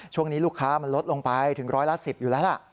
ช่วงนี้ลูกค้ามันลดลงไปถึงร้อยละ๑๐อยู่แล้วล่ะ